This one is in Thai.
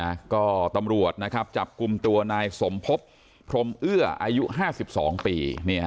นะฮะก็ตำรวจนะครับจับกลุ่มตัวนายสมพบพรมเอื้ออายุห้าสิบสองปี